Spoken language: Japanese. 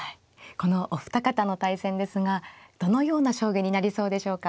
このお二方の対戦ですがどのような将棋になりそうでしょうか。